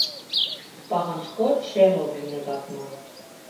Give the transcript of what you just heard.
Պահանջկոտ չէ հողի նկատմամբ։